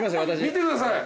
見てください！